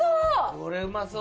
これうまそう。